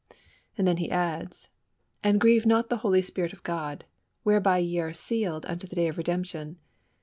And then he adds: "And grieve not the Holy Spirit of God, whereby ye are sealed unto the day of redemption.